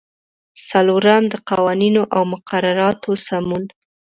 څلورم: د قوانینو او مقرراتو سمون.